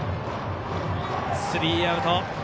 スリーアウト。